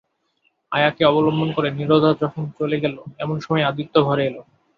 আয়াকে অবলম্বন করে নীরজা যখন চলে গেল এমন সময়ে আদিত্য ঘরে এল।